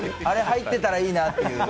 あれ入ってたらいいなって。